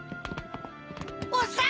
おっさん！